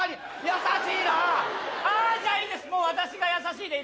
優しいね！